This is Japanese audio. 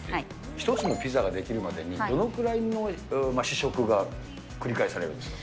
１つのピザが出来るまでにどのくらいの試食が繰り返されるんですか。